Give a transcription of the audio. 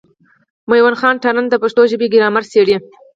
مېوند خان تارڼ د پښتو ژبي ګرامر څېړي.